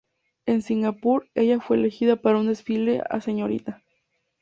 En Singapur, ella fue elegida, para un desfile a Srta.